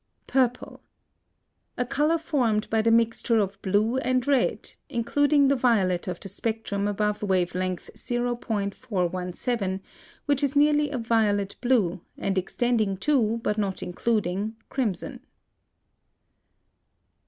PURPLE. A color formed by the mixture of blue and red, including the violet of the spectrum above wave length 0.417, which is nearly a violet blue, and extending to, but not including, crimson.